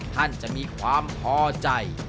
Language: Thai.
ท่านจะมีความพอใจ